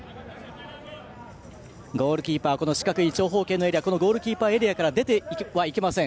ゴールキーパーは四角い長方形のエリアこのゴールキーパーエリアから出てはいけません。